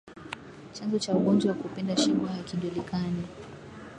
Chanzo cha ugonjwa wa kupinda shingo hakijulikani